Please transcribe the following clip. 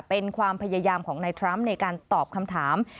เป็นความพยายามของนายทรัมป์ในการตอบคำถาม